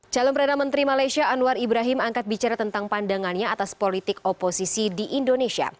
calon perdana menteri malaysia anwar ibrahim angkat bicara tentang pandangannya atas politik oposisi di indonesia